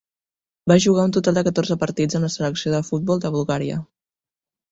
Va jugar un total de catorze partits amb la selecció de futbol de Bulgària.